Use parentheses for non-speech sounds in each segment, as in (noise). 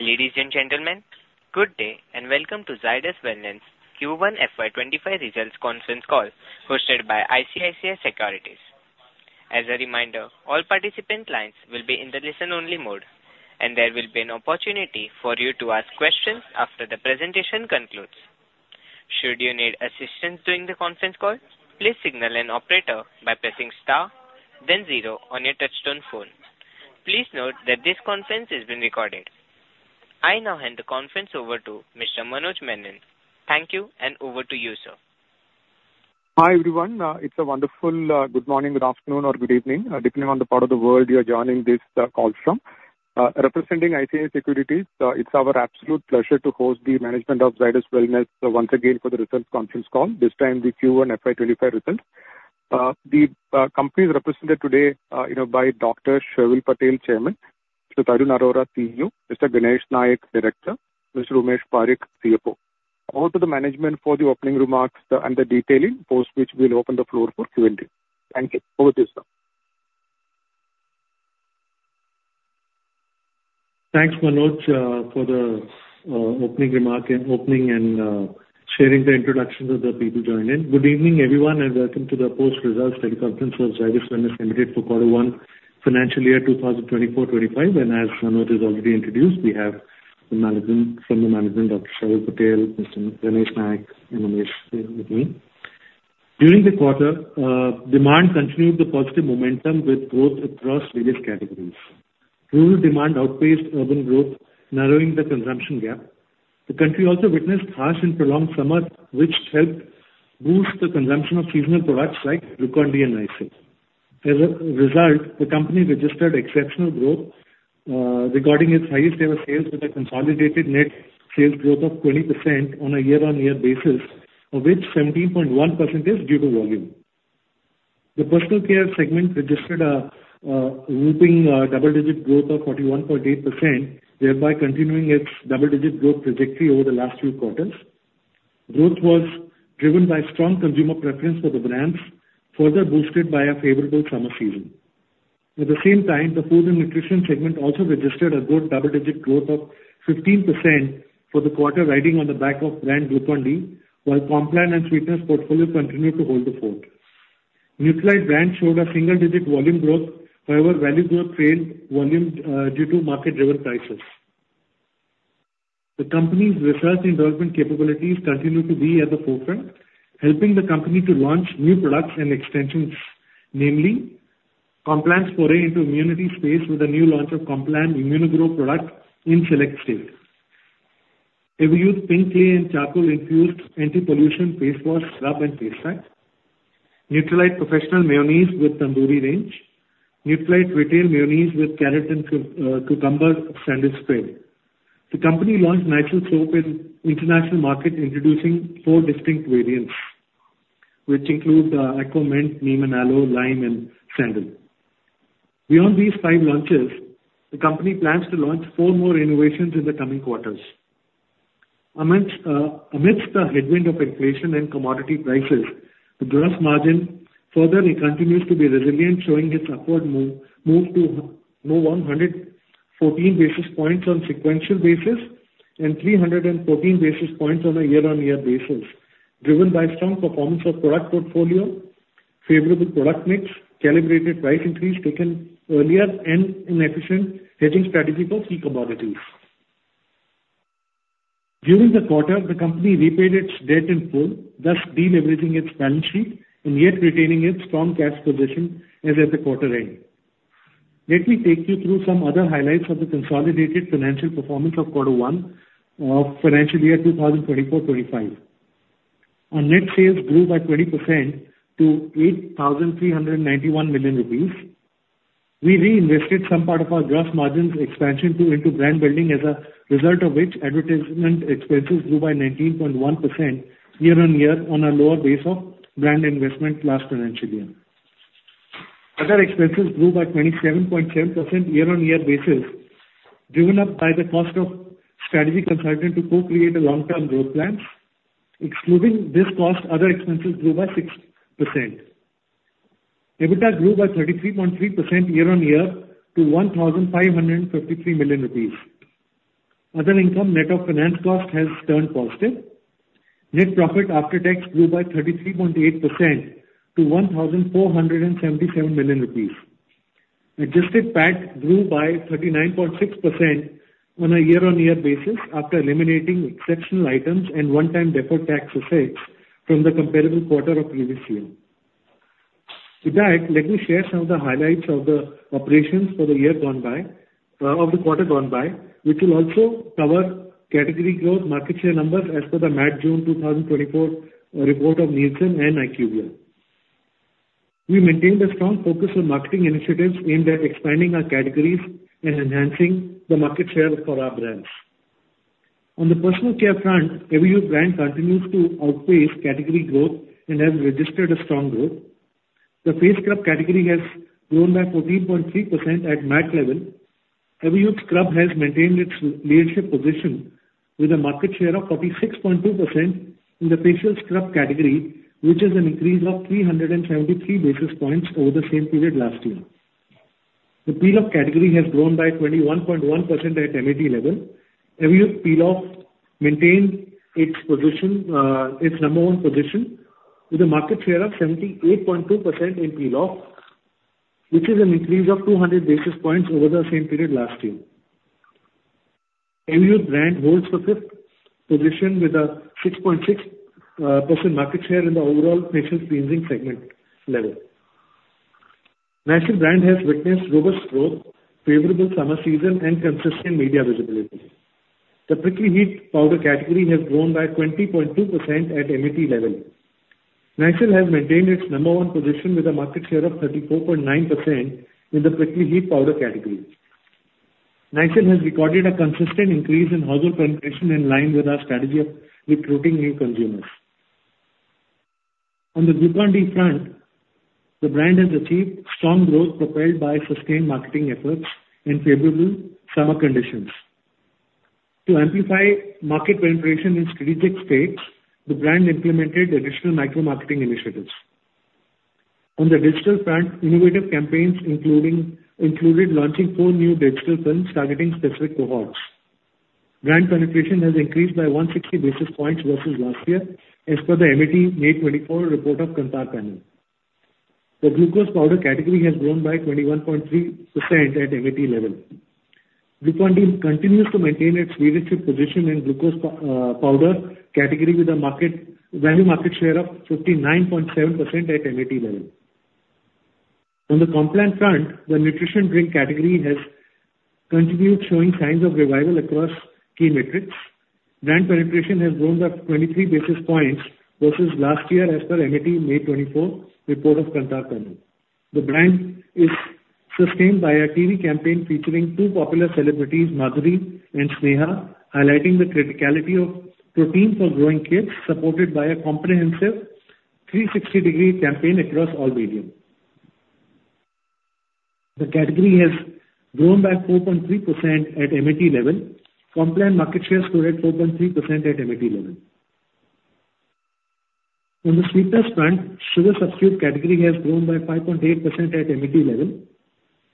Ladies and gentlemen, good day, and welcome to Zydus Wellness Q1 FY 2025 results conference call, hosted by ICICI Securities. As a reminder, all participant lines will be in the listen-only mode, and there will be an opportunity for you to ask questions after the presentation concludes. Should you need assistance during the conference call, please signal an operator by pressing star then zero on your touchtone phone. Please note that this conference is being recorded. I now hand the conference over to Mr. Manoj Menon. Thank you, and over to you, sir. Hi, everyone. It's a wonderful good morning, good afternoon, or good evening, depending on the part of the world you are joining this call from. Representing ICICI Securities, it's our absolute pleasure to host the management of Zydus Wellness once again for the results conference call, this time the Q1 FY 2025 results. The company is represented today by Dr. Sharvil Patel, Chairman, Mr. Tarun Arora, CEO, Mr. Ganesh Nayak, Director, Mr. Umesh Parikh, CFO. Over to the management for the opening remarks and the detailing, post which we'll open the floor for Q&A. Thank you. Over to you, sir. Thanks, Manoj, for the opening remark and opening and sharing the introductions of the people joining. Good evening, everyone, and welcome to the post-results conference for Zydus Wellness Limited for quarter one, financial year 2024-2025. As Manoj has already introduced, we have the management from the management, Dr. Sharvil Patel, Mr. Ganesh Nayak and Umesh Parikh here with me. During the quarter, demand continued the positive momentum with growth across various categories. Rural demand outpaced urban growth, narrowing the consumption gap. The country also witnessed harsh and prolonged summer, which helped boost the consumption of seasonal products like Glucon-D and Nycil. As a result, the company registered exceptional growth, recording its highest ever sales with a consolidated net sales growth of 20% on a year-on-year basis, of which 17.1% is due to volume. The personal care segment registered a whopping double-digit growth of 41.8%, thereby continuing its double-digit growth trajectory over the last few quarters. Growth was driven by strong consumer preference for the brands, further boosted by a favorable summer season. At the same time, the food and nutrition segment also registered a good double-digit growth of 15% for the quarter, riding on the back of brand Glucon-D, while Complan and Sweetener's portfolio continued to hold the fort. Nutralite brand showed a single-digit volume growth; however, value growth trailed volume due to market-driven prices. The company's research and development capabilities continue to be at the forefront, helping the company to launch new products and extensions, namely, Complan's foray into immunity space with a new launch of Complan Immuno-Gro product in select states. Everyuth Pink Clay & Charcoal-infused anti-pollution face wash, scrub and face pack. Nutralite Professional Mayonnaise with Tandoori range. Nutralite Retail Mayonnaise with Carrot and Cucumber Sandwich Spread. The company launched Nycil Soap in International Market, introducing four distinct variants, which include aqua, mint, neem and aloe, lime and sandal. Beyond these five launches, the company plans to launch four more innovations in the coming quarters. Amidst the headwind of inflation and commodity prices, the gross margin further continues to be resilient, showing its upward move to 114 basis points on sequential basis and 314 basis points on a year-on-year basis, driven by strong performance of product portfolio, favorable product mix, calibrated price increase taken earlier and an efficient hedging strategy for key commodities. During the quarter, the company repaid its debt in full, thus de-leveraging its balance sheet and yet retaining its strong cash position as at the quarter end. Let me take you through some other highlights of the consolidated financial performance of quarter one of financial year 2024-2025. Our net sales grew by 20% to 8,391 million rupees. We reinvested some part of our gross margins expansion to into brand building, as a result of which advertisement expenses grew by 19.1% year-on-year on a lower base of brand investment last financial year. Other expenses grew by 27.7% year-on-year basis, driven up by the cost of strategic consultant to co-create a long-term growth plans. Excluding this cost, other expenses grew by 6%. EBITDA grew by 33.3% year-on-year to 1,553 million rupees. Other income, net of finance cost, has turned positive. Net profit after tax grew by 33.8% to 1,477 million rupees. Adjusted PAT grew by 39.6% on a year-on-year basis after eliminating exceptional items and one-time deferred tax effects from the comparable quarter of previous year. With that, let me share some of the highlights of the operations for the year gone by, of the quarter gone by, which will also cover category growth, market share numbers as per the MAT June 2024 report of Nielsen and IQVIA. We maintained a strong focus on marketing initiatives aimed at expanding our categories and enhancing the market share for our brands. On the personal care front, Everyuth brand continues to outpace category growth and has registered a strong growth. The face scrub category has grown by 14.3% at MAT level. Everyuth Scrub has maintained its leadership position with a market share of 46.2% in the facial scrub category, which is an increase of 373 basis points over the same period last year. The peel-off category has grown by 21.1% at MAT level. Everyuth peel-off maintained its position, its number one position, with a market share of 78.2% in peel-off, which is an increase of 200 basis points over the same period last year. Amul brand holds the fifth position with a 6.6% market share in the overall facial cleansing segment level. Nycil brand has witnessed robust growth, favorable summer season, and consistent media visibility. The prickly heat powder category has grown by 20.2% at MAT level. Nycil has maintained its number one position with a market share of 34.9% in the prickly heat powder category. Nycil has recorded a consistent increase in household penetration in line with our strategy of recruiting new consumers. On the Glucon-D front, the brand has achieved strong growth, propelled by sustained marketing efforts and favorable summer conditions. To amplify market penetration in strategic states, the brand implemented additional micro marketing initiatives. On the digital front, innovative campaigns included launching four new digital films targeting specific cohorts. Brand penetration has increased by 160 basis points versus last year, as per the MAT May 2024 report of Kantar panel. The glucose powder category has grown by 21.3% at MAT level. Glucon-D continues to maintain its leadership position in glucose powder category with a market value market share of 59.7% at MAT level. On the Complan front, the nutrition drink category has continued showing signs of revival across key metrics. Brand penetration has grown by 23 basis points versus last year, as per MAT May 2024 report of Kantar panel. The brand is sustained by a TV campaign featuring two popular celebrities, Madhuri and Sneha, highlighting the criticality of protein for growing kids, supported by a comprehensive 360-degree campaign across all media. The category has grown by 4.3% at MAT level. Complan market share stood at 4.3% at MAT level. On the sweeteners front, sugar substitute category has grown by 5.8% at MAT level.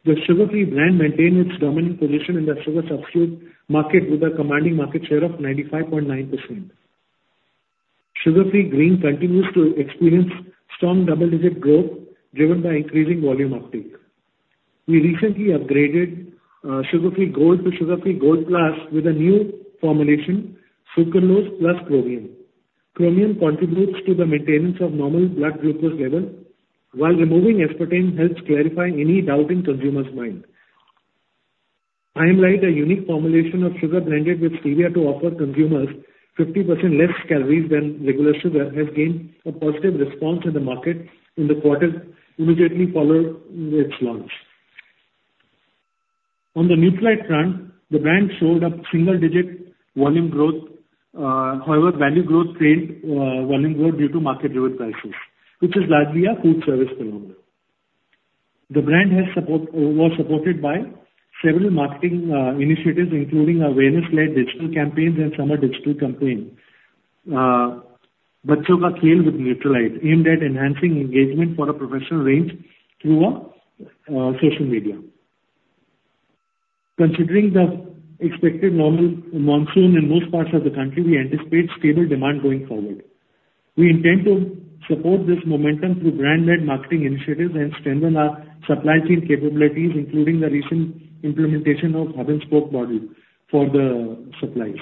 The Sugar Free brand maintained its dominant position in the sugar substitute market, with a commanding market share of 95.9%. Sugar Free Green continues to experience strong double-digit growth, driven by increasing volume uptake. We recently upgraded Sugar Free Gold to Sugar Free Gold Plus with a new formulation, sucralose plus chromium. Chromium contributes to the maintenance of normal blood glucose level, while removing aspartame helps clarify any doubt in consumers' mind. A unique formulation of sugar blended with stevia to offer consumers 50% less calories than regular sugar has gained a positive response in the market in the quarter immediately following its launch. On the Nutralite front, the brand showed up single-digit volume growth. However, value growth trailed volume growth due to market-driven prices, which is largely a food service phenomenon. The brand has support, was supported by several marketing initiatives, including awareness-led digital campaigns and summer digital campaign. Baccho Ka Khel with Nutralite, aimed at enhancing engagement for a professional range through a social media. Considering the expected normal monsoon in most parts of the country, we anticipate stable demand going forward. We intend to support this momentum through brand-led marketing initiatives and strengthen our supply chain capabilities, including the recent implementation of hub-and-spoke model for the supplies.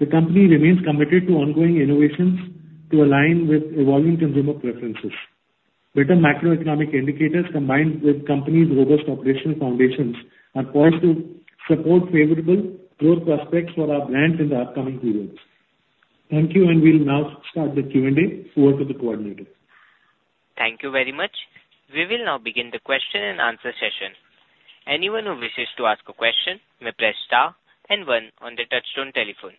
The company remains committed to ongoing innovations to align with evolving consumer preferences. Better macroeconomic indicators, combined with company's robust operational foundations, are poised to support favorable growth prospects for our brands in the upcoming periods. Thank you, and we'll now start the Q&A. Over to the coordinator. Thank you very much. We will now begin the question-and-answer session. Anyone who wishes to ask a question may press star and one on their touchtone telephone.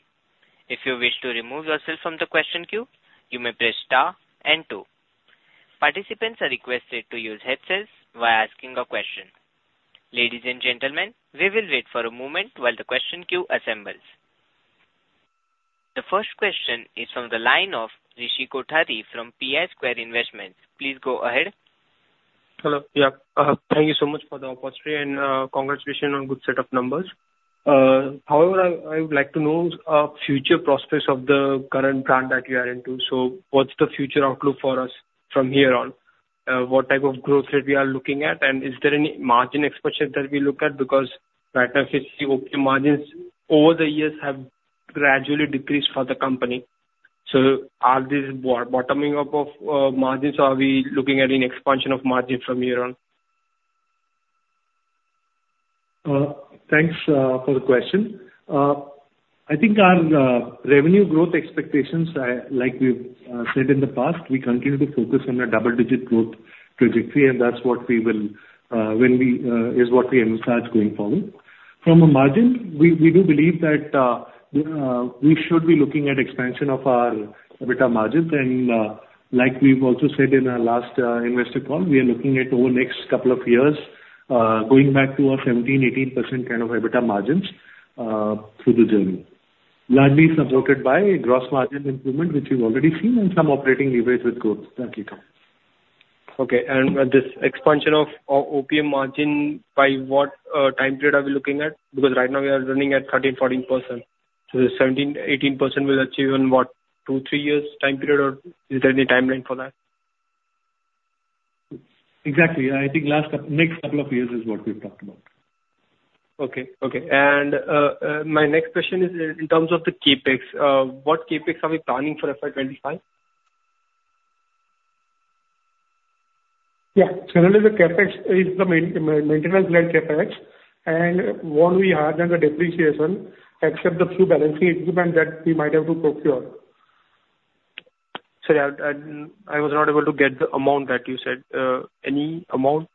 If you wish to remove yourself from the question queue, you may press star and two. Participants are requested to use headsets while asking a question. Ladies and gentlemen, we will wait for a moment while the question queue assembles. The first question is from the line of Rishi Kothari from PI Square Investments. Please go ahead. Hello. Yeah, thank you so much for the opportunity, and congratulations on good set of numbers. However, I would like to know future prospects of the current brand that you are into. So what's the future outlook for us from here on? What type of growth rate we are looking at? And is there any margin expansion that we look at? Because right now, since the margins over the years have gradually decreased for the company, so is this bottoming out of margins, or are we looking at an expansion of margin from here on? Thanks for the question. I think our revenue growth expectations are, like we've said in the past, we continue to focus on a double-digit growth trajectory, and that's what we will, when we, is what we emphasize going forward. From a margin, we do believe that we should be looking at expansion of our EBITDA margins. Like we've also said in our last investor call, we are looking at over next couple of years, going back to our 17%-18% kind of EBITDA margins, through the journey. Largely supported by gross margin improvement, which you've already seen, and some operating leverage with growth. Thank you. Okay. This expansion of OPM margin, by what time period are we looking at? Because right now we are running at 13%-14%. So the 17%-18% will achieve in what? Two to three years time period, or is there any timeline for that? Exactly. I think last couple, next couple of years is what we've talked about. Okay. Okay. My next question is in terms of the CapEx. What CapEx are we planning for FY 2025? Yeah. Generally, the CapEx is the maintenance led CapEx, and what we have under depreciation, except the few balancing equipment that we might have to procure. Sorry, I was not able to get the amount that you said. Any amount?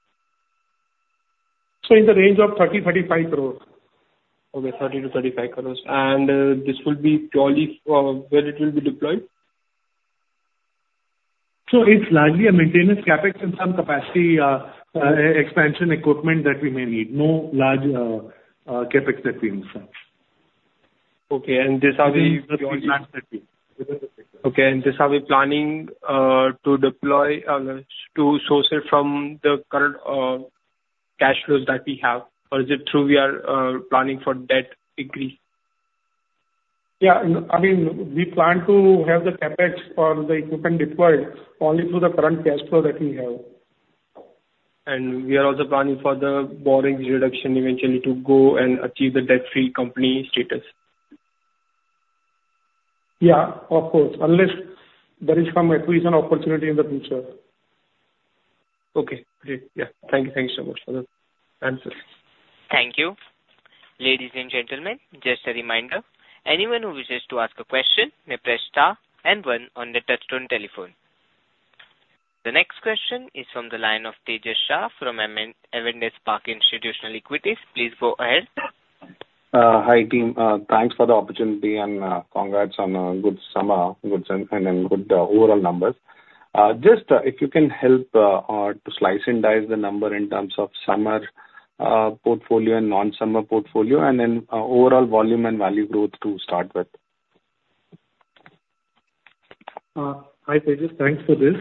So in the range of 30 crore-35 crore. Okay, 30 crore-35 crore. This will be purely where it will be deployed? So it's largely a maintenance CapEx and some capacity expansion equipment that we may need. No large CapEx that we in itself. (audio distortion) Okay, and this, are we planning to deploy to source it from the current cash flows that we have? Or is it through, we are planning for debt increase? Yeah. I mean, we plan to have the CapEx for the equipment required only through the current cash flow that we have. We are also planning for the borrowings reduction eventually to go and achieve the debt-free company status? Yeah, of course, unless there is some acquisition opportunity in the future. Okay, great. Yeah. Thank you. Thank you so much for the answers. Thank you. Ladies and gentlemen, just a reminder, anyone who wishes to ask a question may press star and one on the touchtone telephone. The next question is from the line of Tejas Shah from Avendus Spark Institutional Equities. Please go ahead. Hi, team. Thanks for the opportunity and, congrats on a good summer, good season, and then good overall numbers. Just, if you can help, to slice and dice the number in terms of summer portfolio and non-summer portfolio, and then, overall volume and value growth to start with. Hi, Tejas. Thanks for this.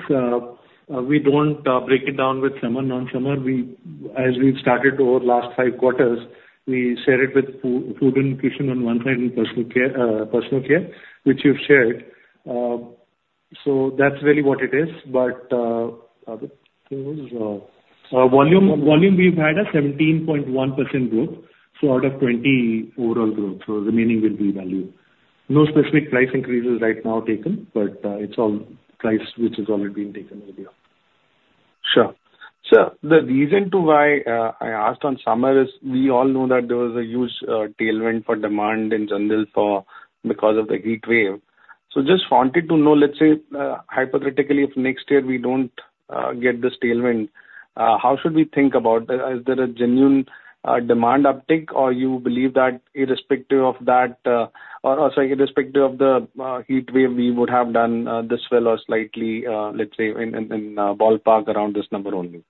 We don't break it down with summer, non-summer. We, as we've started over last five quarters, we share it with food and nutrition on one side, and personal care, personal care, which you've shared. So that's really what it is. But other things, volume, volume, we've had a 17.1% growth, so out of 20% overall growth, so remaining will be value. No specific price increases right now taken, but it's all price, which has already been taken earlier. Sure. Sir, the reason to why I asked on summer is we all know that there was a huge tailwind for demand in general for, because of the heat wave. So just wanted to know, let's say, hypothetically, if next year we don't get this tailwind, how should we think about that? Is there a genuine demand uptick, or you believe that irrespective of that, or, or so irrespective of the heat wave, we would have done this well or slightly, let's say, in ballpark around this number only?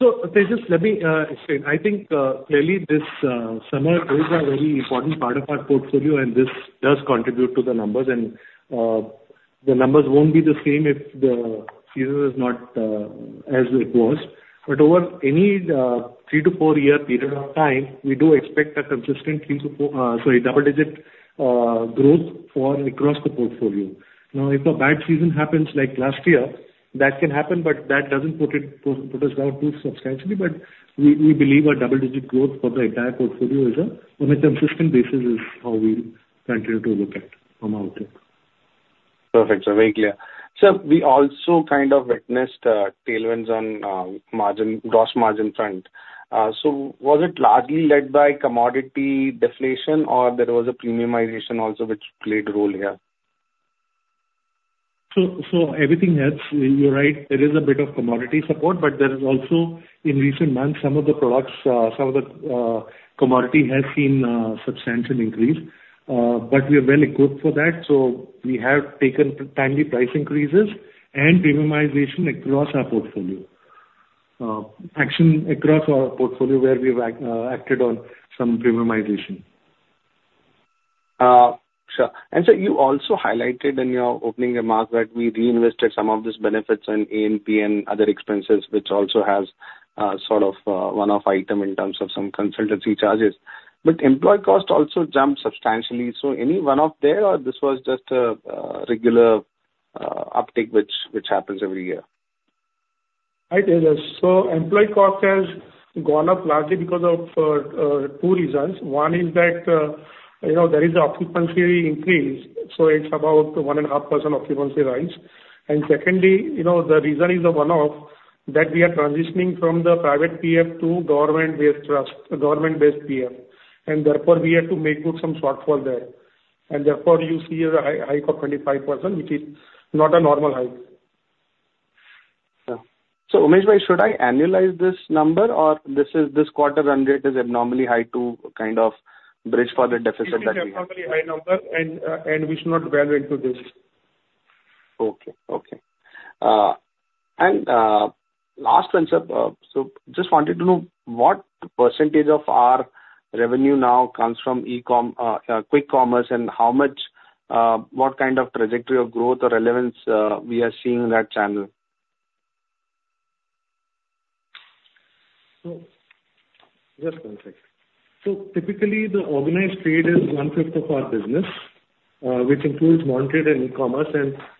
So Tejas, let me explain. I think clearly, this summer is a very important part of our portfolio, and this does contribute to the numbers. And the numbers won't be the same if the season is not as it was. But over any 3-4-year period of time, we do expect a consistent 3-4, sorry, double-digit growth for across the portfolio. Now, if a bad season happens like last year, that can happen, but that doesn't put us down too substantially. But we believe a double-digit growth for the entire portfolio is, on a consistent basis, how we continue to look at from our outlook. Perfect, sir. Very clear. Sir, we also kind of witnessed tailwinds on margin, gross margin front. So was it largely led by commodity deflation or there was a premiumization also which played a role here? So everything helps. You're right, there is a bit of commodity support, but there is also, in recent months, some of the commodity has seen substantial increase, but we are well equipped for that. So we have taken timely price increases and premiumization action across our portfolio, where we've acted on some premiumization. Sure. And sir, you also highlighted in your opening remarks that we reinvested some of these benefits in ANP and other expenses, which also has sort of one-off item in terms of some consultancy charges. But employee cost also jumped substantially, so any one-off there, or this was just a regular uptick which happens every year? Hi, Tejas. Employee cost has gone up largely because of two reasons. One is that, you know, there is an occupancy increase, so it's about 1.5% occupancy rise. And secondly, you know, the reason is a one-off, that we are transitioning from the private PF to government-based trust, government-based PF, and therefore, we have to make good some shortfall there. And therefore, you see as a high hike of 25%, which is not a normal hike. So, Umesh, why should I annualize this number or this is, this quarter run rate is abnormally high to kind of bridge for the deficit that we have? It is an abnormally high number, and we should not graduate to this. Okay. Okay. And last one, sir. So just wanted to know what percentage of our revenue now comes from e-com, quick commerce, and how much, what kind of trajectory of growth or relevance we are seeing in that channel? So, just one second. Typically, the organized trade is 1/5 of our business, which includes modern trade and e-commerce.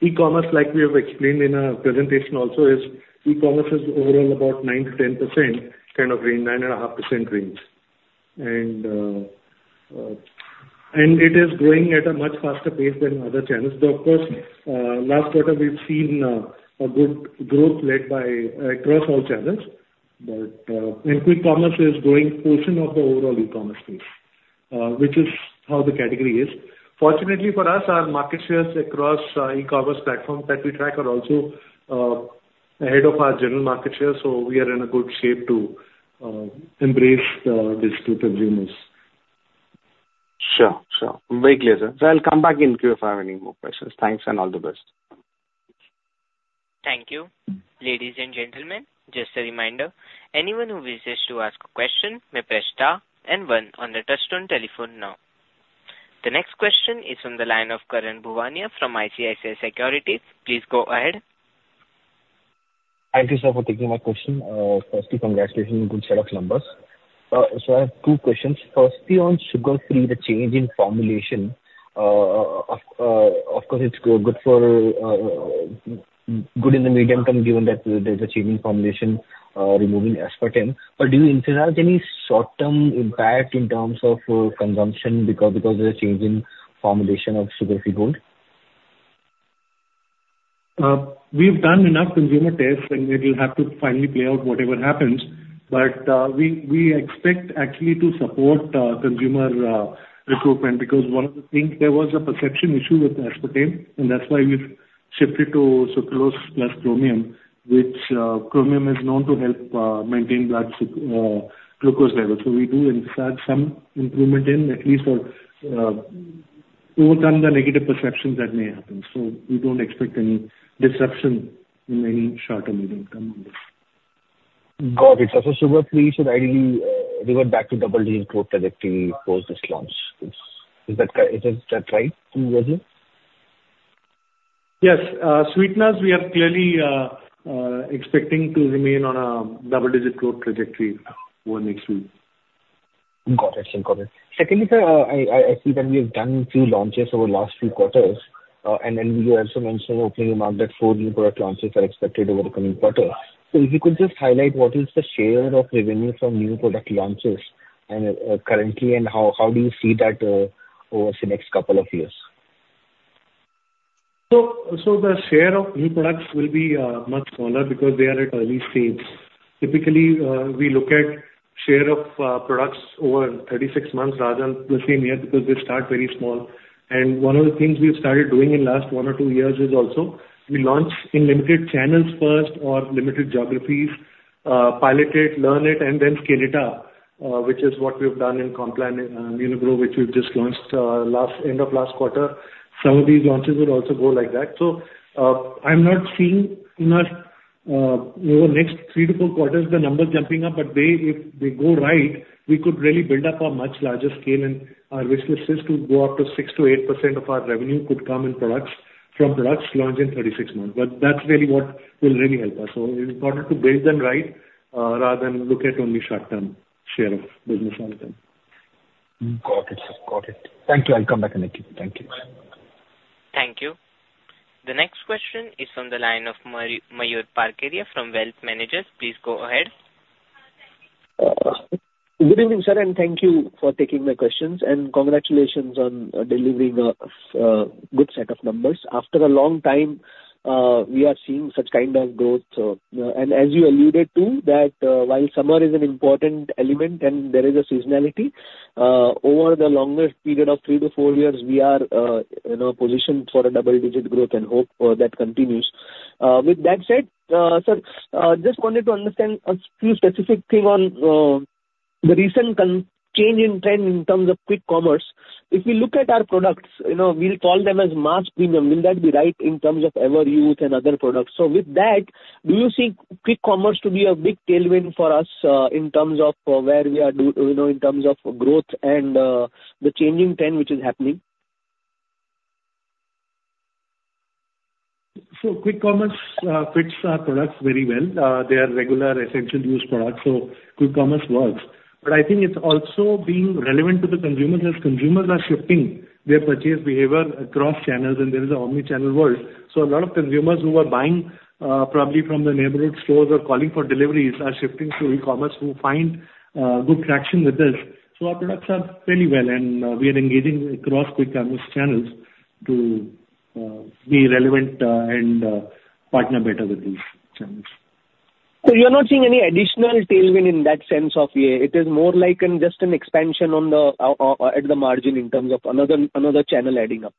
E-commerce, like we have explained in our presentation also, is e-commerce is overall about 9%-10%, kind of range, 9.5% range. It is growing at a much faster pace than other channels. But of course, last quarter, we've seen a good growth across all channels. Quick commerce is growing portion of the overall e-commerce space, which is how the category is. Fortunately for us, our market shares across e-commerce platforms that we track are also ahead of our general market share, so we are in a good shape to embrace this quick commerce. Sure. Sure. Very clear, sir. So I'll come back in queue if I have any more questions. Thanks, and all the best. Thank you. Ladies and gentlemen, just a reminder, anyone who wishes to ask a question may press star and 1 on their touchtone telephone now. The next question is from the line of Karan Bhuwania from ICICI Securities. Please go ahead. Thank you, sir, for taking my question. Firstly, congratulations on good set of numbers. I have two questions. Firstly, on Sugar Free, the change in formulation. Of course, it's good in the medium term, given that there's a change in formulation, removing aspartame. But do you envisage any short-term impact in terms of consumption because of the change in formulation of Sugar Free Gold? We've done enough consumer tests, and it'll have to finally play out whatever happens. But we expect actually to support consumer recruitment because one of the things, there was a perception issue with aspartame, and that's why we've shifted to sucralose plus chromium, which chromium is known to help maintain blood glucose levels. So we do envisage some improvement in, at least for, to overcome the negative perceptions that may happen. So we don't expect any disruption in any short or medium term on this. Got it. So Sugar Free should ideally revert back to double-digit growth trajectory post this launch. Is that right in your view? Yes. Sweeteners, we are clearly expecting to remain on a double-digit growth trajectory over next week. Got it. Got it. Secondly, sir, I see that we have done a few launches over last few quarters. And then you also mentioned opening your mind that four new product launches are expected over the coming quarters. So if you could just highlight what is the share of revenue from new product launches and currently, and how do you see that over the next couple of years? So the share of new products will be much smaller because they are at early stage. Typically we look at share of products over 36 months rather than the same year, because they start very small. One of the things we've started doing in last one or two years is also we launch in limited channels first or limited geographies, pilot it, learn it, and then scale it up, which is what we've done in Complan Immuno-Gro, which we've just launched last end of last quarter. Some of these launches will also go like that. So, I'm not seeing in our, over next three to four quarters, the numbers jumping up, but they, if they go right, we could really build up a much larger scale, and our businesses to go up to 6%-8% of our revenue could come in products, from products launched in 36 months. But that's really what will really help us. So it's important to build them right, rather than look at only short-term share of business on them. Got it, sir. Got it. Thank you. I'll come back in a queue. Thank you. Thank you. The next question is from the line of Mayur Parkeria from Wealth Managers. Please go ahead. Good evening, sir, and thank you for taking my questions. Congratulations on delivering a good set of numbers. After a long time, we are seeing such kind of growth. As you alluded to, that while summer is an important element and there is a seasonality, over the longer period of three to four years, we are in a position for a double-digit growth and hope that continues. With that said, sir, just wanted to understand a few specific thing on the recent change in trend in terms of quick commerce. If we look at our products, we'll call them as mass premium. Will that be right in terms of our Everyuth and other products? With that, do you see quick commerce to be a big tailwind for us, in terms of where we are, you know, in terms of growth and the changing trend which is happening? So quick commerce fits our products very well. They are regular essential use products, so quick commerce works. But I think it's also being relevant to the consumers, as consumers are shifting their purchase behavior across channels, and there is an omni-channel world. A lot of consumers who are buying probably from the neighborhood stores or calling for deliveries, are shifting to e-commerce, who find good traction with this. So our products are fairly well, and we are engaging across quick commerce channels to be relevant and partner better with these channels. So you're not seeing any additional tailwind in that sense of, it is more like just an expansion on the, at the margin in terms of another channel adding up?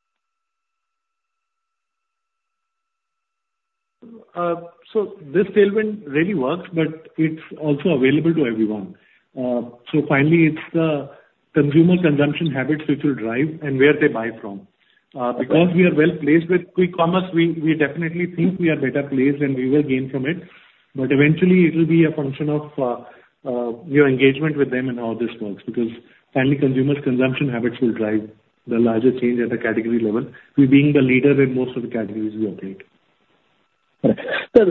This tailwind really works, but it's also available to everyone. So finally, it's the consumer consumption habits which will drive and where they buy from. Because we are well-placed with quick commerce, we definitely think we are better placed, and we will gain from it. But eventually it will be a function of your engagement with them and how this works, because finally, consumers' consumption habits will drive the larger change at a category level, we being the leader in most of the categories we operate. Right. Sir,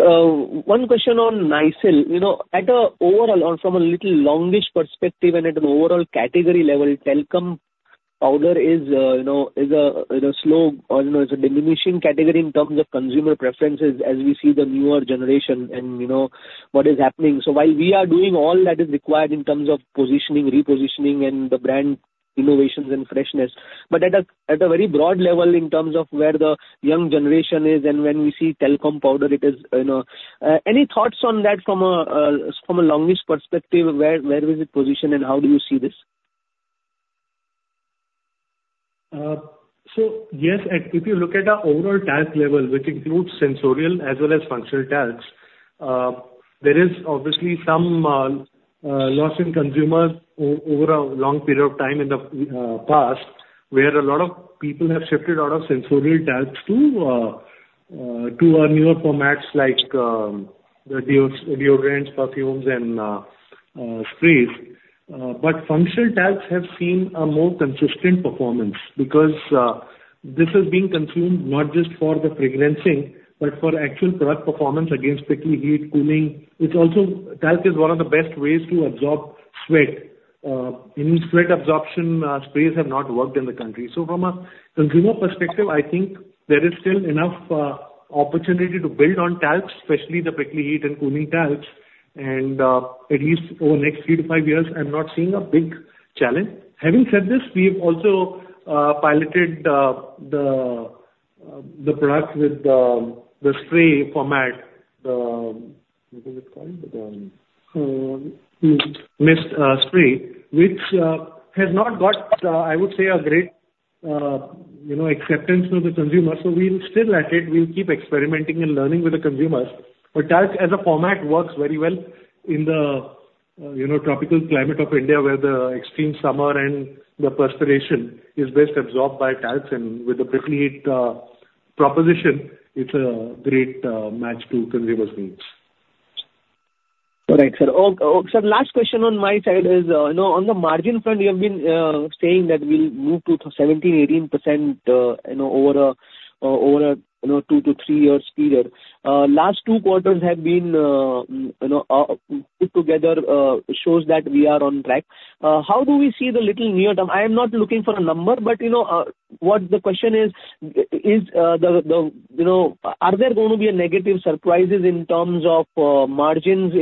one question on Nycil. You know, at a overall, or from a little longish perspective and at an overall category level, talcum powder is, you know, a slow or diminishing category in terms of consumer preferences as we see the newer generation and, you know, what is happening. So while we are doing all that is required in terms of positioning, repositioning and the brand innovations and freshness, but at a very broad level, in terms of where the young generation is and when we see talcum powder, it is, any thoughts on that from a longish perspective, where is it positioned, and how do you see this? So yes, if you look at our overall talc level, which includes sensorial as well as functional talcs, there is obviously some loss in consumers over a long period of time in the past, where a lot of people have shifted out of sensorial talcs to our newer formats like the deodorants, perfumes, and sprays. But functional talcs have seen a more consistent performance because this is being consumed not just for the fragrancing, but for actual product performance against prickly heat, cooling. It's also, talc is one of the best ways to absorb sweat. Any sweat absorption sprays have not worked in the country. So from a consumer perspective, I think there is still enough opportunity to build on talcs, especially the prickly heat and cooling talcs, and at least over the next three to five years, I'm not seeing a big challenge. Having said this, we've also piloted the product with the spray format. The, what is it called? The, mist, spray, which has not got, I would say, a great, you know, acceptance with the consumer. We're still at it. We'll keep experimenting and learning with the consumers. But talc as a format works very well in the, you know, tropical climate of India, where the extreme summer and the perspiration is best absorbed by talcs, and with the prickly heat proposition, it's a great match to consumers' needs. All right, sir. Oh, sir, last question on my side is, you know, on the margin front, you have been saying that we'll move to 17%-18%, you know, over a two to three years period. Last two quarters have been put together shows that we are on track. How do we see the near term? I am not looking for a number, but, you know, what the question is, are there going to be any negative surprises in terms of margins.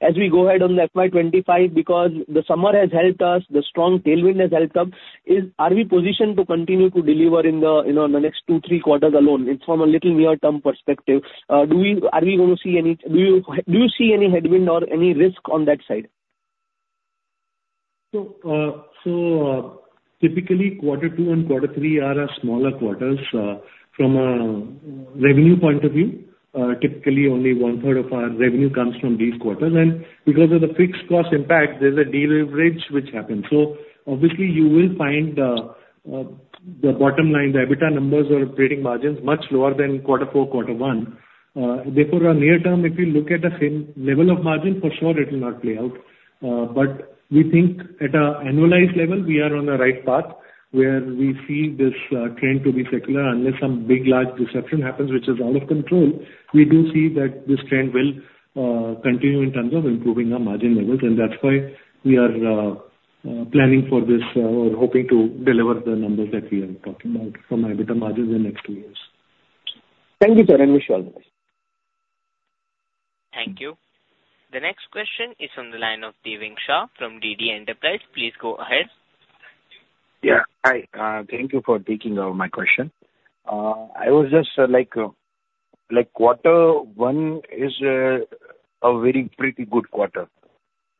As we go ahead on the FY 2025, because the summer has helped us, the strong tailwind has helped us, are we positioned to continue to deliver in the, you know, in the next two, three quarters alone? It's from a little near-term perspective. Are we going to see any, do you see any headwind or any risk on that side? Typically, quarter two and quarter three are our smaller quarters. From a revenue point of view, typically only 1/3 of our revenue comes from these quarters. And because of the fixed cost impact, there's a deleverage which happens. So obviously, you will find the bottom line, the EBITDA numbers or operating margins, much lower than quarter four, quarter one. Therefore, our near term, if you look at the same level of margin, for sure it will not play out. But we think at a annualized level, we are on the right path, where we see this trend to be secular. Unless some big, large disruption happens, which is out of control, we do see that this trend will continue in terms of improving our margin levels, and that's why we are planning for this or hoping to deliver the numbers that we are talking about from EBITDA margins in the next two years. Thank you, sir, and wish you all the best. Thank you. The next question is from the line of Devang Shah from D.D Enterprise. Please go ahead. Yeah. Hi, thank you for taking my question. I was just, quarter one is a very pretty good quarter,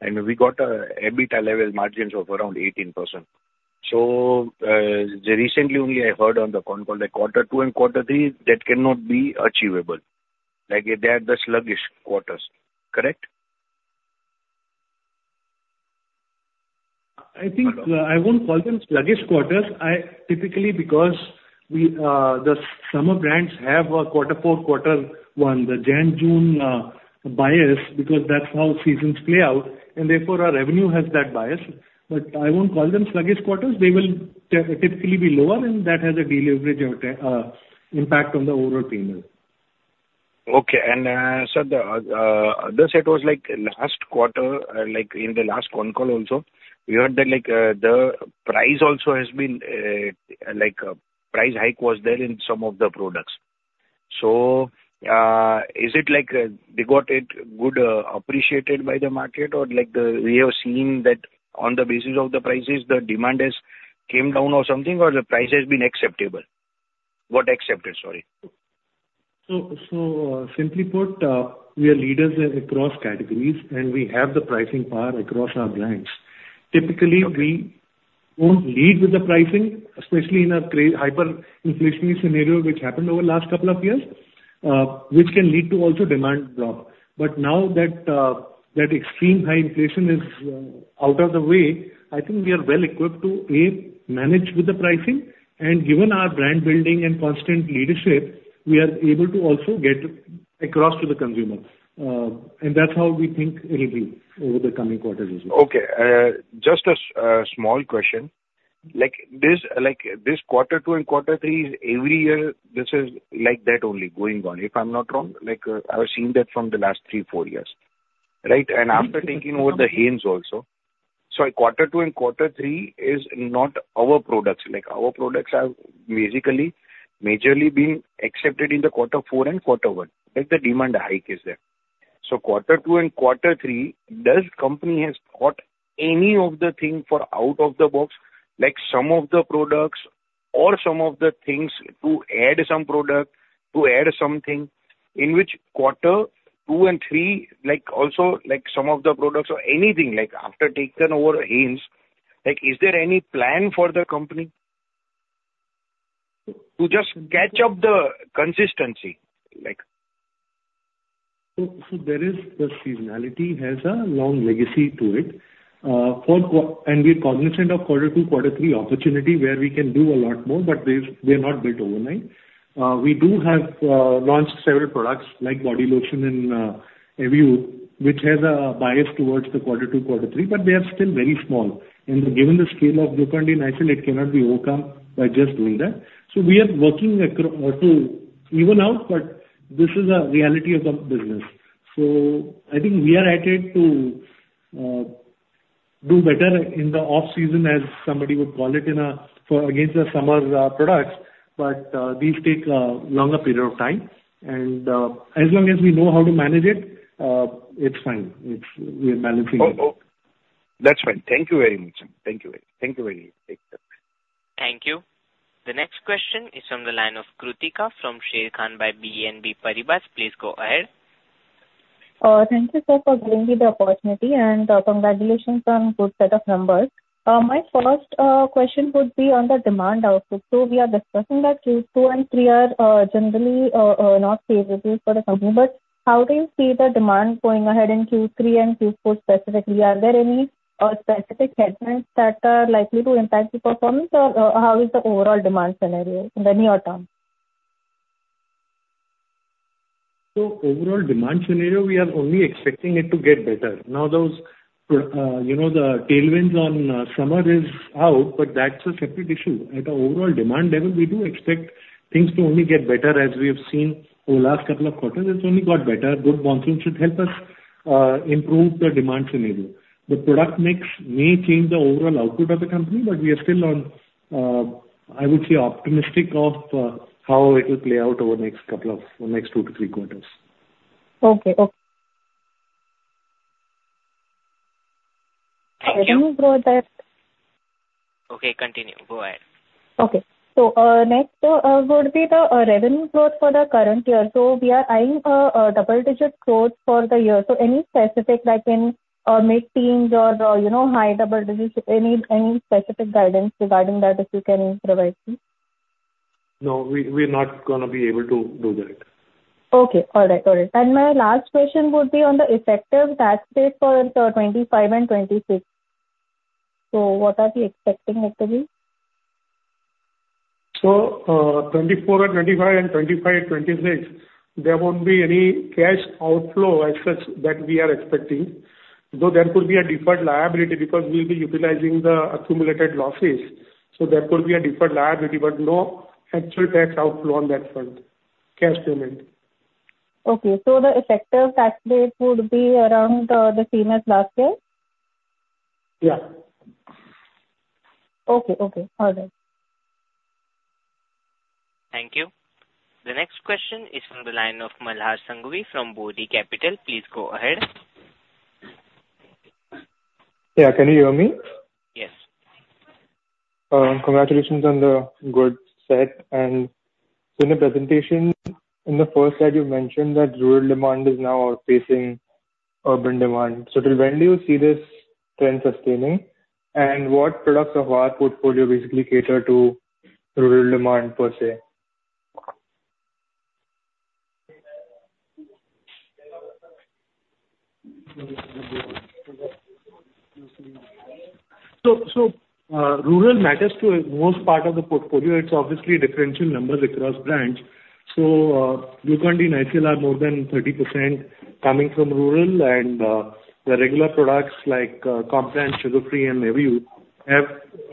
and we got a EBITDA level margins of around 18%. So, recently only I heard on the con call that quarter two and quarter three, that cannot be achievable, like, they are the sluggish quarters, correct? I think, I won't call them sluggish quarters. I typically, because we, the summer brands have a quarter four, quarter one, the Jan-June, bias, because that's how seasons play out, and therefore, our revenue has that bias. But I won't call them sluggish quarters. They will typically be lower, and that has a deleverage, impact on the overall team. Okay. And, sir, the set was, like, last quarter, like, in the last con call also, we heard that, like, the price also has been, like, price hike was there in some of the products. So, is it like, they got it good, appreciated by the market? We have seen that on the basis of the prices, the demand has came down or something, or the price has been acceptable? What accepted, sorry? Simply put, we are leaders in across categories, and we have the pricing power across our brands. Typically, we won't lead with the pricing, especially in a hyperinflationary scenario, which happened over the last couple of years, which can lead to also demand drop. But now that that extreme high inflation is out of the way, I think we are well equipped to, A, manage with the pricing, and given our brand building and constant leadership, we are able to also get across to the consumer. And that's how we think it'll be over the coming quarters as well. Okay. Just a small question. Like this, like this quarter two and quarter three is every year, this is like that only going on, if I'm not wrong, like, I've seen that from the last three, four years, right? And after taking over the Heinz also. So quarter two and quarter three is not our products, like, our products have basically majorly been accepted in the quarter four and quarter one, if the demand hike is there. Quarter two and quarter three, does company has got any of the thing for out-of-the-box, like some of the products or some of the things to add some product, to add something, in which quarter two and three, like also, like some of the products or anything like after taking over Heinz, like, is there any plan for the company to just catch up the consistency? So there is, the seasonality has a long legacy to it. We're cognizant of quarter two, quarter three opportunity, where we can do a lot more, but they, they are not built overnight. We do have launched several products like body lotion and Everyuth, which has a bias towards the quarter two, quarter three, but they are still very small. And given the scale of Glucon-D and Nycil, it cannot be overcome by just doing that. We are working across to even out, but this is a reality of the business. I think we are acting to do better in the off-season, as somebody would call it, in a, for against the summer's products, but these take a longer period of time. And as long as we know how to manage it, it's fine. We are managing it. Oh, oh, that's fine. Thank you very much. Thank you very, thank you very much. Thank you. The next question is from the line of Kritika from Sharekhan by BNP Paribas. Please go ahead. Thank you, sir, for giving me the opportunity, and, congratulations on good set of numbers. My first question would be on the demand outlook. So we are discussing that Q2 and Q3 are generally not favorable for the company, but how do you see the demand going ahead in Q3 and Q4 specifically? Are there any specific headwinds that are likely to impact the performance? Or, how is the overall demand scenario in your term? So overall demand scenario, we are only expecting it to get better. Now, those you know, the tailwinds on, summer is out, but that's a separate issue. At an overall demand level, we do expect things to only get better, as we have seen over the last couple of quarters, it's only got better. Good monsoon should help us improve the demand scenario. The product mix may change the overall output of the company, but we are still on, I would say, optimistic of, how it will play out over the next couple of, the next two to three quarters. Okay. Okay. (audio distortion) revenue growth that. Okay, continue. Go ahead. Okay. So, next, would be the, revenue growth for the current year. So we are eyeing a, double-digit growth for the year. So any specific like in, mid-teens or, you know, high double digits, any, any specific guidance regarding that, if you can provide, please? No, we're not gonna be able to do that. Okay. All right. All right. And my last question would be on the effective tax rate for 2025 and 2026. So what are we expecting likely? So, 2024 and 2025 and 2025, 2026, there won't be any cash outflow as such that we are expecting. Though there could be a deferred liability because we'll be utilizing the accumulated losses, so there could be a deferred liability, but no actual tax outflow on that front, cash payment. Okay, so the effective tax rate would be around the same as last year? Yeah. Okay. Okay. All right. Thank you. The next question is from the line of Malhar Sanghavi from Bodhi Capital. Please go ahead. Yeah. Can you hear me? Yes. Congratulations on the good set. In the presentation, in the first slide, you mentioned that rural demand is now outpacing urban demand. Till when do you see this trend sustaining? What products of our portfolio basically cater to rural demand, per se? (audio distortion) Rural matters to most part of the portfolio. It's obviously differential numbers across brands. So, Glucon-D and Nycil are more than 30% coming from rural, and the regular products like Complan, Sugar Free, and Everyuth have,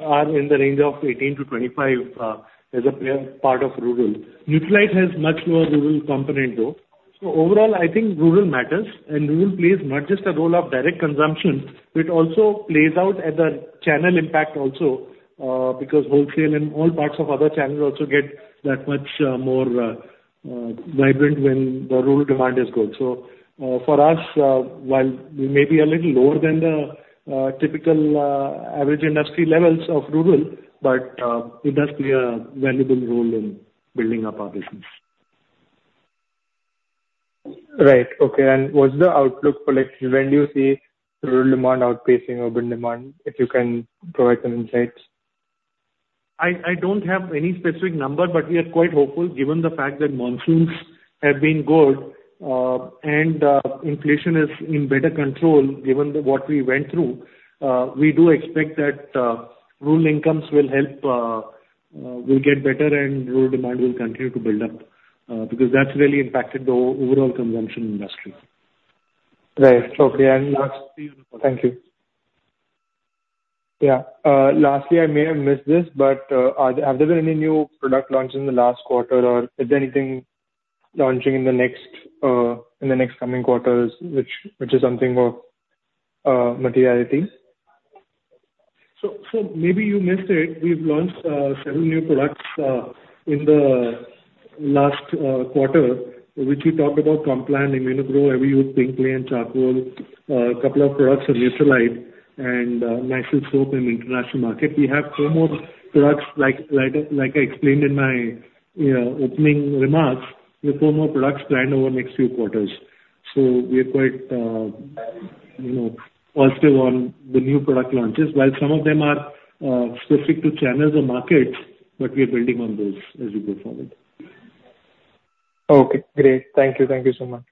are in the range of 18%-25% as a part of rural. Nutralite has much more rural component, though. So overall, I think rural matters. And rural plays not just the role of direct consumption, it also plays out at the channel impact also, because wholesale and all parts of other channels also get that much more vibrant when the rural demand is good. So, for us, while we may be a little lower than the typical average industry levels of rural, but it does play a valuable role in building up our business. Right. Okay, and what's the outlook for like, when do you see rural demand outpacing urban demand? If you can provide some insights. I don't have any specific number, but we are quite hopeful, given the fact that monsoons have been good, and inflation is in better control, given what we went through. We do expect that rural incomes will help, will get better and rural demand will continue to build up, because that's really impacted the overall consumption industry. Right. Okay, and lastly, thank you. Yeah, lastly, I may have missed this, but are there, have there been any new product launches in the last quarter? Is there anything launching in the next, in the next coming quarters, which, which is something of materiality? So maybe you missed it. We've launched several new products in the last quarter, which we talked about, Complan Immuno-Gro, Everyuth Pink Clay & Charcoal. A couple of products of Nutralite and Nycil soap in the international market. We have four more products like I explained in my opening remarks; we have four more products planned over the next few quarters. So we are quite, you know, positive on the new product launches. While some of them are specific to channels or markets, but we are building on those as we go forward. Okay, great. Thank you. Thank you so much.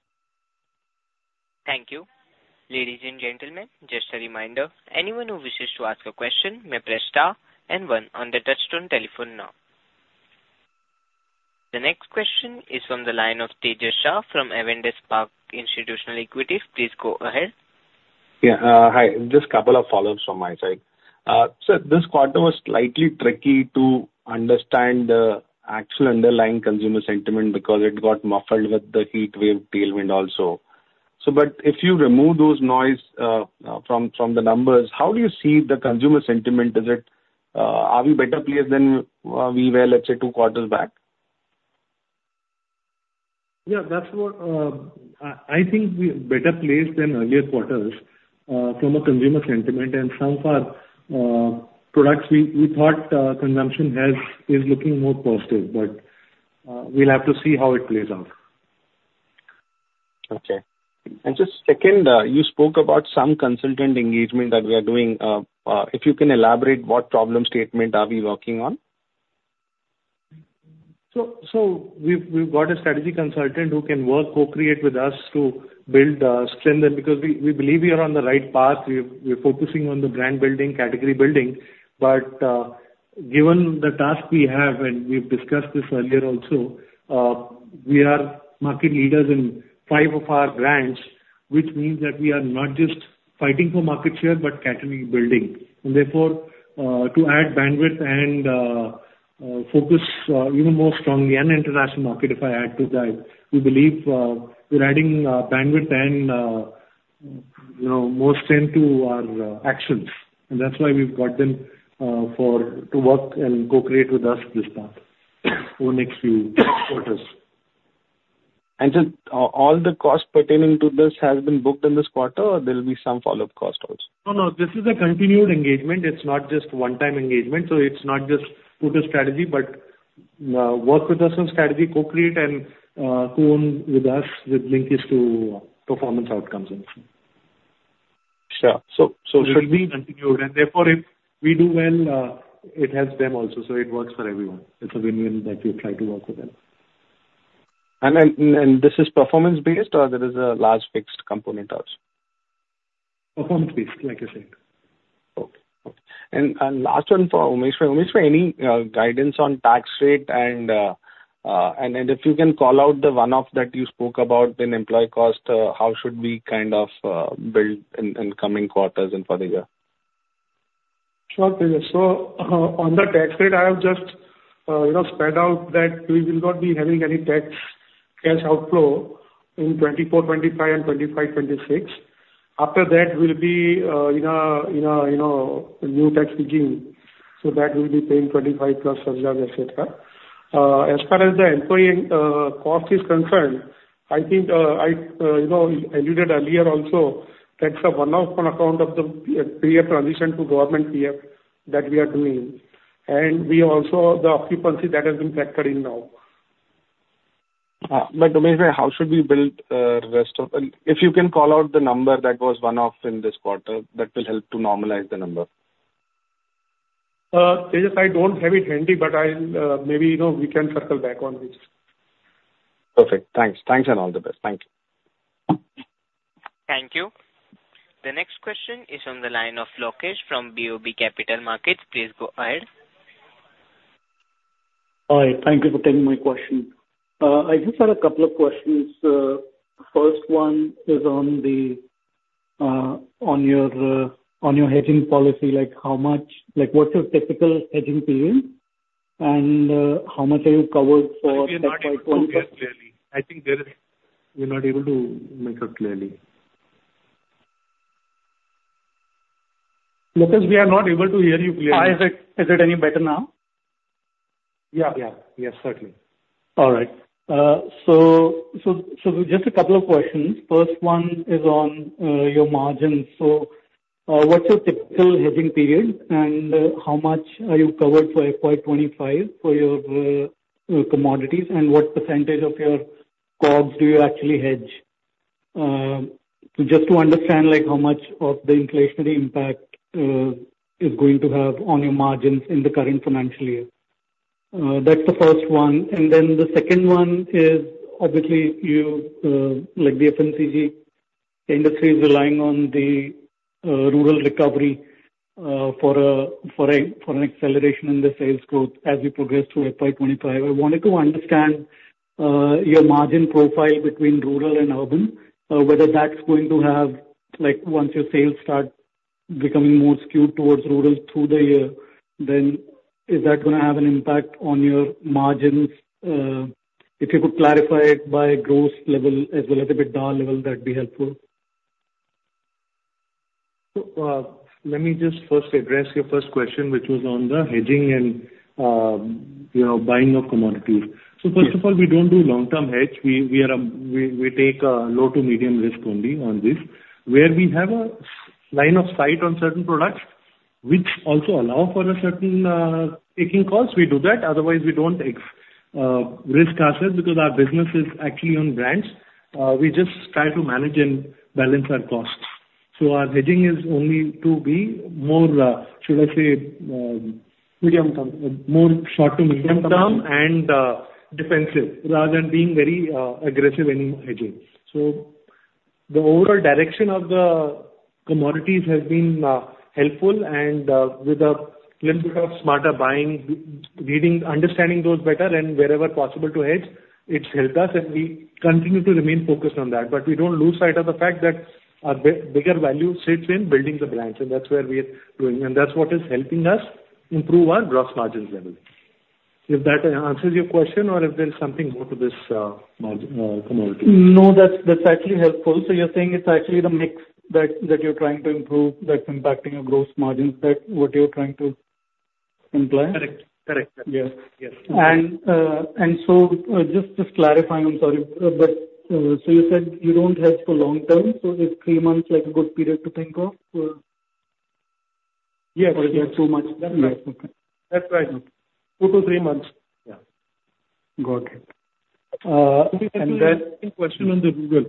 Thank you. Ladies and gentlemen, just a reminder, anyone who wishes to ask a question may press star and one on their touchtone telephone now. The next question is from the line of Tejas Shah from Avendus Spark Institutional Equities. Please go ahead. Yeah, hi, just a couple of follow-ups from my side. So this quarter was slightly tricky to understand the actual underlying consumer sentiment because it got muffled with the heatwave tailwind also. So but if you remove those noise from the numbers, how do you see the consumer sentiment? Is it, are we better placed than we were, let's say, two quarters back? Yeah, that's what I think we're better placed than earlier quarters from a consumer sentiment. And some of our products, we thought consumption is looking more positive, but we'll have to see how it plays out. Okay. And just second, you spoke about some consultant engagement that we are doing. If you can elaborate, what problem statement are we working on? So we've got a strategy consultant who can work, co-create with us to build strength. And because we believe we are on the right path, we're focusing on the brand building, category building. But given the task we have, and we've discussed this earlier also, we are market leaders in five of our brands, which means that we are not just fighting for market share, but category building. And therefore, to add bandwidth and focus even more strongly on international market, if I add to that, we believe we're adding bandwidth and you know, more strength to our actions. And that's why we've got them for to work and co-create with us this time over the next few quarters. Just, all the costs pertaining to this has been booked in this quarter, or there will be some follow-up costs also? No, no, this is a continued engagement. It's not just one-time engagement. So it's not just put a strategy, but, work with us on strategy, co-create and, co-own with us with linkages to, performance outcomes also. Sure. So, should we. (crosstalk) Continued, and therefore, if we do well, it helps them also. So it works for everyone. It's a win-win that we try to work with them. And then, this is performance based, or there is a large fixed component also? Performance based, like I said. Okay. Okay. And last one for Umesh. Umesh, any guidance on tax rate and if you can call out the one-off that you spoke about in employee cost, how should we kind of build in coming quarters and further year? Sure thing. So, on the tax rate, I have just, you know, spread out that we will not be having any tax cash outflow in 2024-2025 and 2025-2026. After that, we'll be, in a new tax regime, so that we'll be paying 25+ as per the Act. As far as the employee cost is concerned, I think, I, you know, alluded earlier also, that's a one-off on account of the PF transition to government PF that we are doing. And we also, the occupancy that has been factored in now. Umesh, how should we build rest of, if you can call out the number that was one-off in this quarter, that will help to normalize the number. Tejas, I don't have it handy, but I'll, maybe, you know, we can circle back on this. Perfect. Thanks. Thanks, and all the best. Thank you. Thank you. The next question is on the line of Lokesh from BOB Capital Markets. Please go ahead. Hi, thank you for taking my question. I just had a couple of questions. First one is on the, on your, on your hedging policy, like, how much, like, what's your typical hedging period? And, how much are you covered for. We are not able to hear clearly. I think there is (audio distortion) we're not able to make out clearly. Lokesh, we are not able to hear you clearly. Hi, is it, is it any better now? Yeah, yeah. Yes, certainly. All right. So just a couple of questions. First one is on your margins. What's your typical hedging period, and how much are you covered for FY 2025 for your commodities? And what percentage of your costs do you actually hedge? Just to understand, like, how much of the inflationary impact is going to have on your margins in the current financial year. That's the first one. The second one is obviously you, like the FMCG industry is relying on the rural recovery for an acceleration in the sales growth as we progress through FY 2025. I wanted to understand, your margin profile between rural and urban, whether that's going to have, like once your sales start becoming more skewed towards rural through the year, then is that gonna have an impact on your margins? If you could clarify it by growth level as well as EBITDA level, that'd be helpful. Let me just first address your first question, which was on the hedging and, you know, buying of commodities. First of all, we don't do long-term hedge. We take low to medium risk only on this. Where we have a straight line of sight on certain products which also allow for a certain taking cost, we do that. Otherwise, we don't take risk assets because our business is actually on brands. We just try to manage and balance our costs. So our hedging is only to be more, should I say. Medium term. More short- to medium-term and defensive, rather than being very aggressive in hedging. So the overall direction of the commodities has been helpful, and with a little bit of smarter buying, better reading, understanding those better and wherever possible to hedge, it's helped us, and we continue to remain focused on that. But we don't lose sight of the fact that our bigger value sits in building the brands, and that's where we are doing, and that's what is helping us improve our gross margins evenly. If that answers your question or if there's something more to this margin, commodity. No, that's, that's actually helpful. So you're saying it's actually the mix that, that you're trying to improve that's impacting your gross margins. That's what you're trying to imply? Correct. Correct, sir. Yes. Yes. So, just clarifying, I'm sorry, but so you said you don't hedge for long term, so is three months like a good period to think of for? Yes. Or it's too much? That's right. Okay. That's right, two to three months. Yeah. Got it. And then. (crosstalk) question on the rural.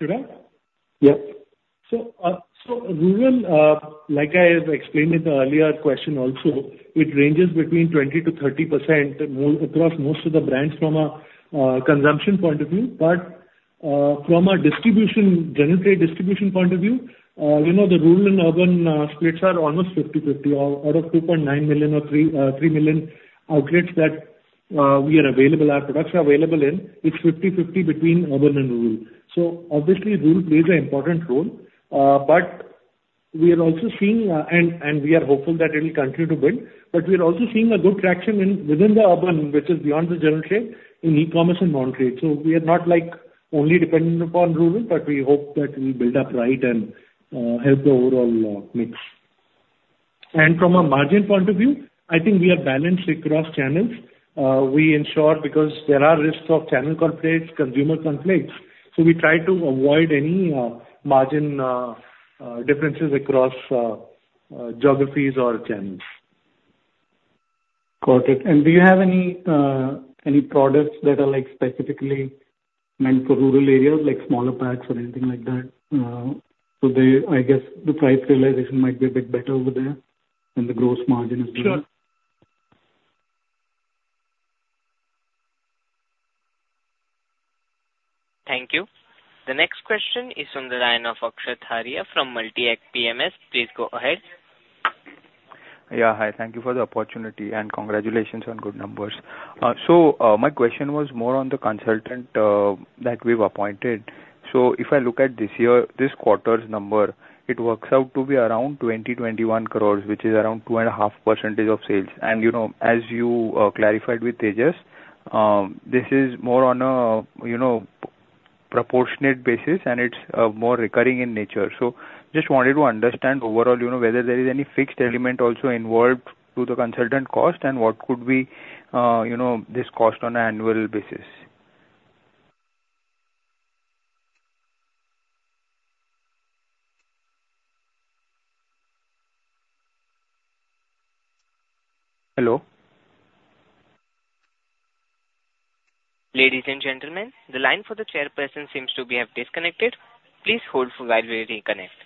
Should I? Yeah. So, rural, like I explained in the earlier question also, it ranges between 20%-30% across most of the brands from a consumption point of view. But, from a distribution, general trade distribution point of view, you know, the rural and urban splits are almost 50/50. Out of 2.9 million or 3 million outlets that we are available, our products are available in, it's 50/50 between urban and rural. Obviously rural plays an important role, but we are also seeing, and we are hopeful that it will continue to build, but we are also seeing a good traction within the urban, which is beyond the general trade, in e-commerce and non-trade. We are not like only dependent upon rural, but we hope that we build up right and help the overall mix. From a margin point of view, I think we are balanced across channels. We ensure, because there are risks of channel conflicts, consumer conflicts, so we try to avoid any margin differences across geographies or channels. Got it. Do you have any products that are, like, specifically meant for rural areas, like smaller packs or anything like that? So they, I guess the price realization might be a bit better over there than the gross margin as well. Sure. Thank you. The next question is on the line of Akshat Hariya from Multi-Act PMS. Please go ahead. Yeah, hi. Thank you for the opportunity, and congratulations on good numbers. So, my question was more on the consultant that we've appointed. So if I look at this year, this quarter's number, it works out to be around 20 crore-21 crore, which is around 2.5% of sales. And, you know, as you clarified with Tejas, this is more on a proportionate basis, and it's more recurring in nature. So just wanted to understand overall, you know, whether there is any fixed element also involved to the consultant cost, and what could be this cost on an annual basis? Hello? Ladies and gentlemen, the line for the chairperson seems to have disconnected. Please hold while we reconnect.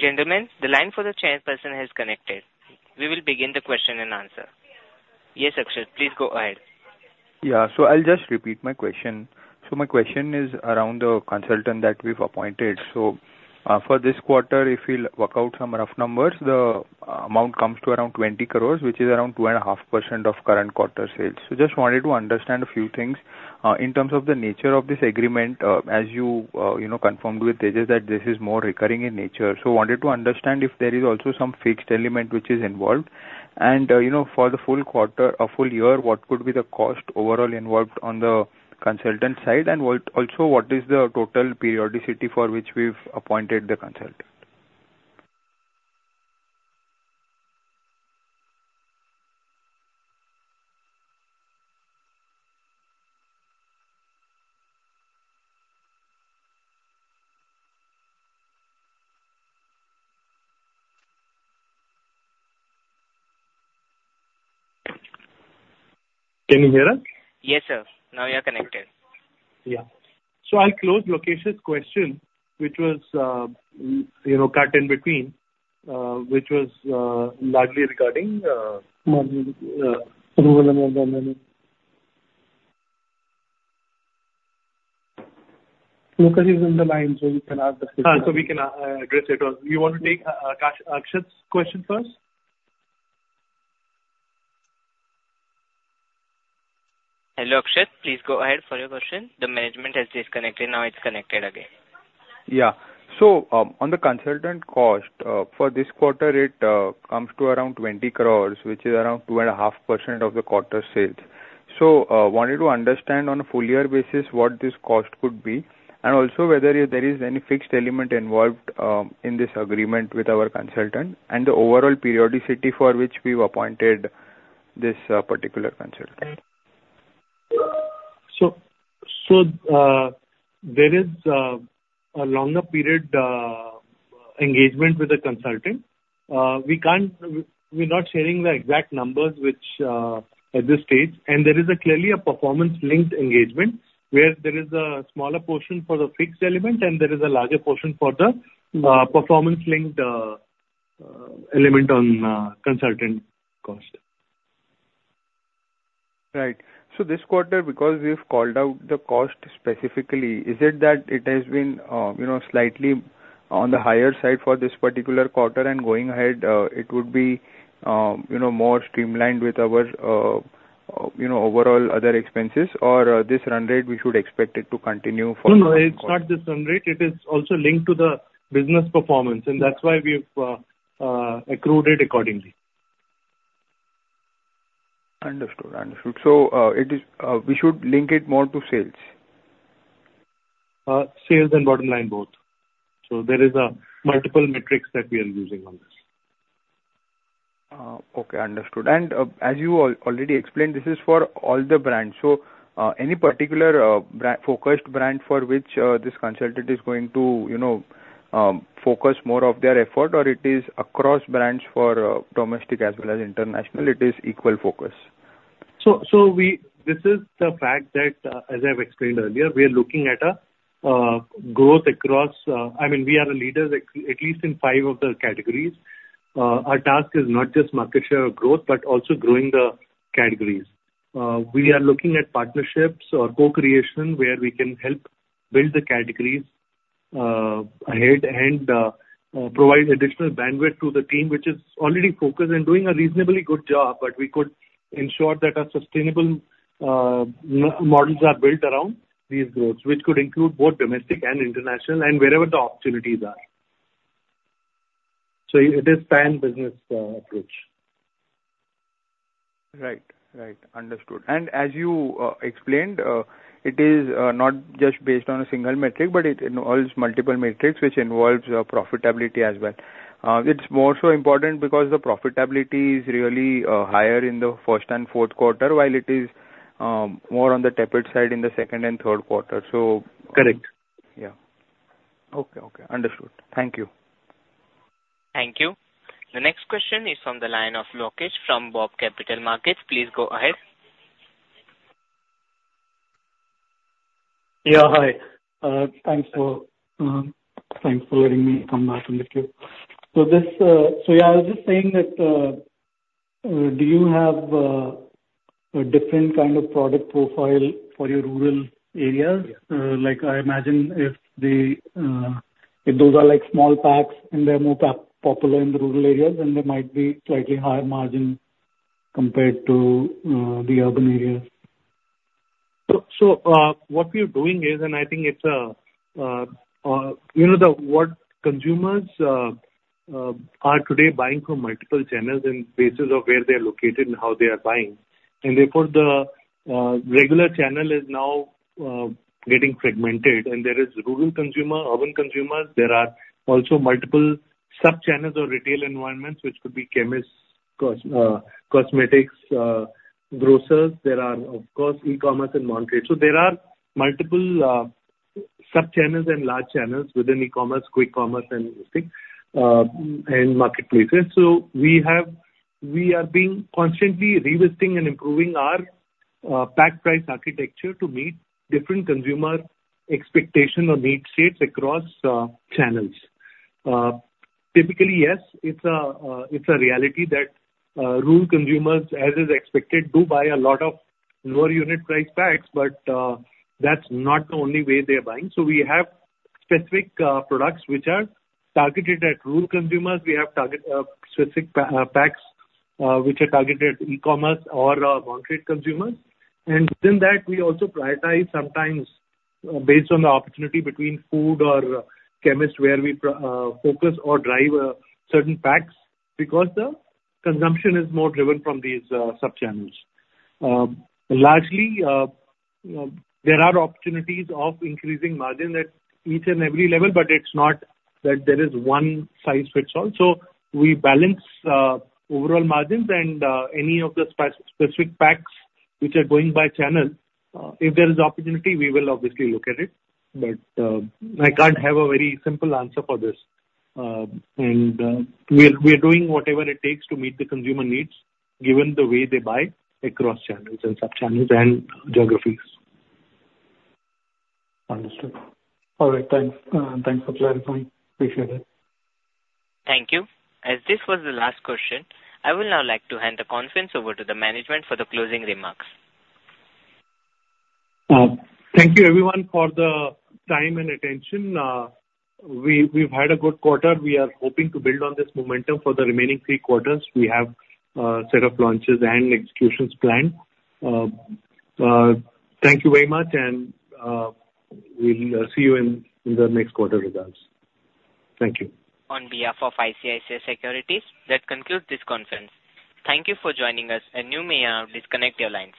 Ladies and gentlemen, the line for the chairperson has connected. We will begin the question and answer. Yes, Akshat, please go ahead. Yeah. So I'll just repeat my question. So my question is around the consultant that we've appointed. So, for this quarter, if we'll work out some rough numbers, the amount comes to around 20 crore, which is around 2.5% of current quarter sales. So just wanted to understand a few things, in terms of the nature of this agreement, as you confirmed with Tejas, that this is more recurring in nature. So wanted to understand if there is also some fixed element which is involved, and, you know, for the full quarter or full year, what could be the cost overall involved on the consultant side? And what also, what is the total periodicity for which we've appointed the consultant? Can you hear us? Yes, sir. Now we are connected. Yeah. So I'll close Lokesh's question, which was, you know, cut in between, which was, largely regarding. (audio distortion) Lokesh is on the line, so you can ask the question. We can address it. Or you want to take Akshat's question first? Hello, Akshat. Please go ahead for your question. The management has disconnected, now it's connected again. Yeah. So, on the consultant cost, for this quarter, it comes to around 20 crore, which is around 2.5% of the quarter sales. So, wanted to understand on a full year basis, what this cost could be, and also whether there is any fixed element involved, in this agreement with our consultant, and the overall periodicity for which we've appointed this, particular consultant. There is a longer period engagement with the consultant. We can't, we're not sharing the exact numbers which, at this stage, and there is clearly a performance linked engagement, where there is a smaller portion for the fixed element, and there is a larger portion for the performance-linked element on consultant cost. Right. So this quarter, because we've called out the cost specifically, is it that it has been, you know, slightly on the higher side for this particular quarter, and going ahead, it would be, you know, more streamlined with our, you know, overall other expenses, or, this run rate, we should expect it to continue for. No, no, it's not just run rate, it is also linked to the business performance, and that's why we've accrued it accordingly. Understood. Understood. So, we should link it more to sales? Sales and bottom line, both. So there is a multiple metrics that we are using on this. Okay, understood. And, as you already explained, this is for all the brands. So, any particular brand-focused brand for which this consultant is going to, you know, focus more of their effort, or it is across brands for domestic as well as international, it is equal focus? So, this is the fact that, as I've explained earlier, we are looking at a growth across. I mean, we are the leaders at least in five of the categories. Our task is not just market share or growth, but also growing the categories. We are looking at partnerships or co-creation, where we can help build the categories ahead, and provide additional bandwidth to the team, which is already focused and doing a reasonably good job. But we could ensure that our sustainable models are built around these growths, which could include both domestic and international, and wherever the opportunities are. So it is pan business approach. Right. Right. Understood. And as you explained, it is not just based on a single metric, but it involves multiple metrics, which involves profitability as well. It's more so important because the profitability is really higher in the first and fourth quarter, while it is more on the tepid side in the second and third quarter. Correct. Yeah. Okay, okay, understood. Thank you. Thank you. The next question is from the line of Lokesh from BOB Capital Markets. Please go ahead. Yeah, hi. Thanks for letting me come back on the queue. So yeah, I was just saying that, do you have a different kind of product profile for your rural areas? Like, I imagine if those are like small packs, and they're more popular in the rural areas, then they might be slightly higher margin compared to the urban areas. So, what we're doing is, and I think it's a, you know, what consumers are today buying from multiple channels and bases of where they're located and how they are buying, and therefore, the regular channel is now getting fragmented. And there is rural consumer, urban consumers. There are also multiple subchannels or retail environments, which could be chemists, cosmetics, grocers. There are, of course, e-commerce and Modern Trade. So there are multiple subchannels and large channels within e-commerce, quick commerce, and things, and marketplaces. So, we are constantly revisiting and improving our pack price architecture to meet different consumer expectation or need states across channels. Typically, yes, it's a reality that rural consumers, as is expected, do buy a lot of lower unit price packs, but that's not the only way they're buying. So we have specific products which are targeted at rural consumers. We have targeted specific packs which are targeted at e-commerce or Modern Trade consumers. And within that, we also prioritize sometimes based on the opportunity between food or chemist, where we focus or drive certain packs because the consumption is more driven from these subchannels. Largely, you know, there are opportunities of increasing margin at each and every level, but it's not that there is one size fits all. We balance overall margins and any of the specific packs which are going by channel, if there is opportunity, we will obviously look at it. But I can't have a very simple answer for this. And we are doing whatever it takes to meet the consumer needs, given the way they buy across channels and subchannels and geographies. Understood. All right, thanks. Thanks for clarifying. Appreciate it. Thank you. As this was the last question, I will now like to hand the conference over to the management for the closing remarks. Thank you, everyone, for the time and attention. We've had a good quarter. We are hoping to build on this momentum for the remaining three quarters. We have set of launches and executions planned. Thank you very much, and we'll see you in the next quarter results. Thank you. On behalf of ICICI Securities, that concludes this conference. Thank you for joining us, and you may now disconnect your lines.